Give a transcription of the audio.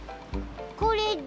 これだ！